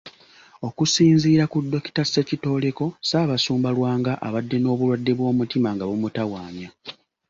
Okusinziira ku Dokita Ssekitooleko, Ssaabasumba Lwanga abadde n'obulwadde bw'omutima nga bumutawaanya.